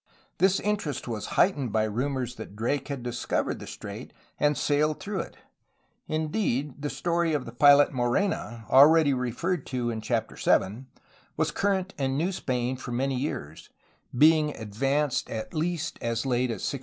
This interest was heightened by rumors that Drake had discovered the strait and sailed through it; indeed, the story of the pilot Morena, already referred to,^ was current in New Spain for many years, being advanced at least as late as 1626.